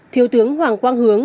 thiếu tướng hoàng quang hướng